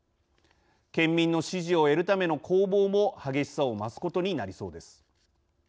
県民の支持を得るための攻防も激しさを増すことになりそうです。